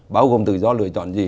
bao gồm tự do lựa chọn gì